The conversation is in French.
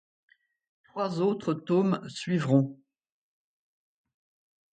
Trois autres tomes suivront.